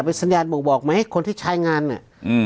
เป็นสัญญาณบ่งบอกไหมคนที่ใช้งานอ่ะอืม